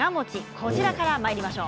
こちらから、まいりましょう。